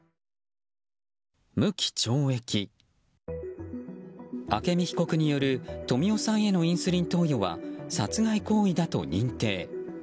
無期懲役。朱美被告による富夫さんへのインスリン投与は殺害行為だと認定。